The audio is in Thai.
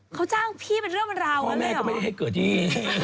เขาจ้างพี่เป็นเรื่องเป็นราวพ่อแม่ก็ไม่ได้ให้เกิดที่